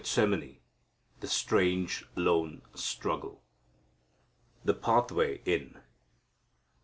Gethsemane: The Strange, Lone Struggle The Pathway In.